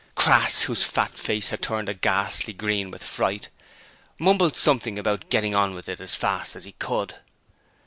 Crass whose fat face had turned a ghastly green with fright mumbled something about getting on with it as fast as he could.